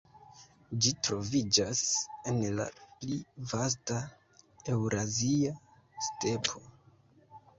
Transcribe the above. Ĝi troviĝas en la pli vasta Eŭrazia Stepo.